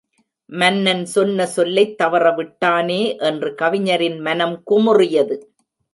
மன்னன் சொன்ன சொல்லைத் தவற விட்டானே என்று கவிஞரின் மனம் குமுறியது.